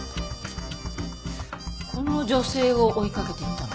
この女性を追いかけていったの？